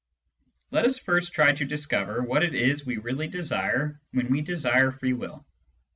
Let us first try to discover what it is we really desire when we desire free will.